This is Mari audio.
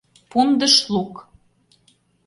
«Пундыш лук»...